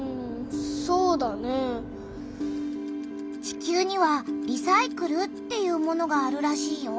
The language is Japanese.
地球には「リサイクル」っていうものがあるらしいよ。